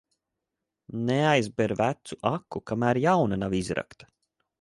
Neaizber vecu aku, kamēr jauna nav izrakta.